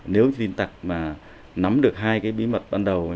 nếu tin tặc mà nắm được hai cái bí mật ban đầu